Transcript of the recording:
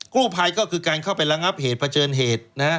กู้ภัยก็คือการเข้าไประงับเหตุเผชิญเหตุนะฮะ